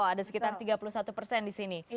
ada sekitar tiga puluh satu persen di sini